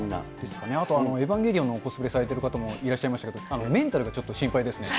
あとエヴァンゲリオンのコスプレをしてる人もいましたけれども、メンタルがちょっと心配ですね。